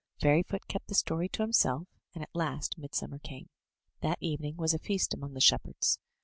Fairyfoot kept the story to himself, and at last mid summer came. That evening was a feast among the shep herds.